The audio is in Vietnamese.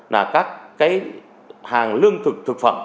là các cái hàng lương thực thực phẩm